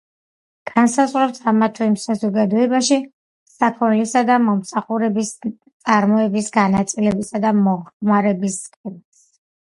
განსაზღვრავს ამა თუ იმ საზოგადოებაში საქონლისა და მომსახურების წარმოების, განაწილების და მოხმარების სქემას.